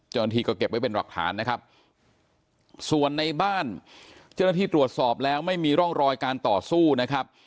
เจ้าหน้าที่ก็เก็บไว้เป็นหลักฐานนะครับส่วนในบ้านเจ้าหน้าที่ตรวจสอบแล้วไม่มีร่องรอยการต่อสู้นะครับ